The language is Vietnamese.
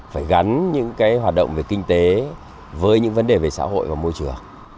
phải gắn những cái hoạt động về kinh tế với những vấn đề về xã hội và môi trường